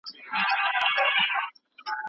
د مشرانو تجربه د سرو زرو ده.